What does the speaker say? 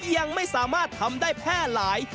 ยังไม่สามารถทำได้แพร่หลาย